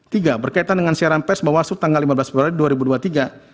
tiga berkaitan dengan siaran pers bawaslu tanggal lima belas februari dua ribu dua puluh tiga